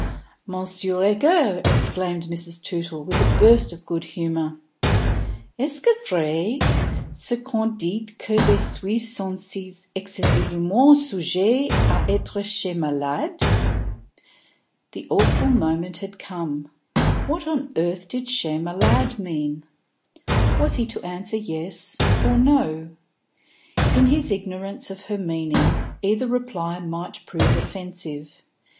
"Monsieur Egger," exclaimed Mrs. Tootle, with a burst of good humour, "est ce vrai ce qu'on dit que les Suisses sont si excessivement sujets a etre chez malades?" The awful moment had come. What on earth did chez malades mean? Was he to answer yes or no? In his ignorance of her meaning, either reply might prove offensive.